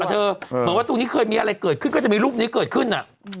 เหมือนว่าตรงนี้เคยมีอะไรเกิดขึ้นก็จะมีรูปนี้เกิดขึ้น